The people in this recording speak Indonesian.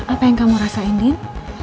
apa yang kamu rasain din